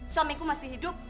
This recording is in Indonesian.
suamiku masih hidup